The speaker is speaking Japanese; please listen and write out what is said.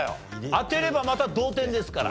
当てればまた同点ですから。